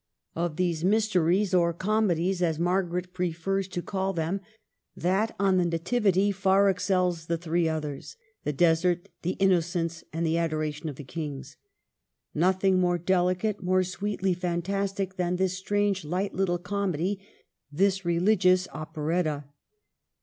2/8 MARGARET OF ANGOUL^ME. Of these Mysteries, or Comedies, as Mar garet prefers to call them, that on the Nativity far excels the three others, — the Desert, the Innocents, and the Adoration of the Kings. Nothing more delicate, more sweetly fantastic, than this strange, light little comedy, this re ligious operetta.